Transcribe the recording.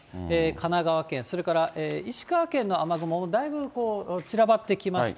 神奈川県、それから石川県の雨雲もだいぶ散らばってきました。